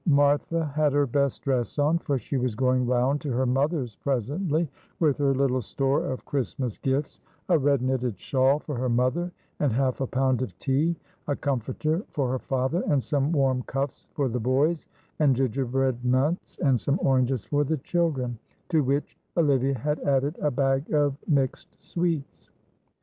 Martha had her best dress on, for she was going round to her mother's presently, with her little store of Christmas gifts: a red knitted shawl for her mother and half a pound of tea, a comforter for her father, and some warm cuffs for the boys, and gingerbread nuts and some oranges for the children, to which Olivia had added a bag of mixed sweets.